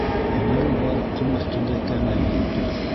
Һөнәре бар ҡом өҫтөндә кәмә йөрөтөр.